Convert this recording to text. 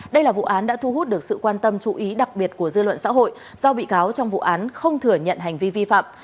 đây là vụ án đã thu hút được sự quan tâm chú ý đặc biệt của dư luận xã hội do bị cáo trong vụ án không thừa nhận hành vi vi phạm